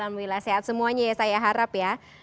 alhamdulillah sehat semuanya ya saya harap ya